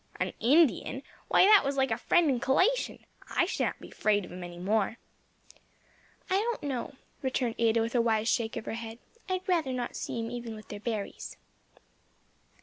"An Indian? why that was like a friend and colation! I shan't be 'fraid of 'em any more." "I don't know," returned Ada with a wise shake of her head, "I'd rather not see 'em even with their berries."